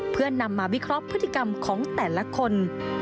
เพื่อนำมาวิเคราะห์พฤติกรรมของแต่ละคน